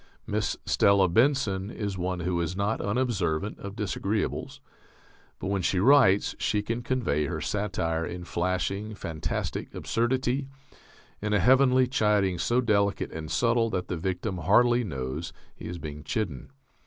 Miss Stella Benson is one who is not unobservant of disagreeables, but when she writes she can convey her satire in flashing, fantastic absurdity, in a heavenly chiding so delicate and subtle that the victim hardly knows he is being chidden.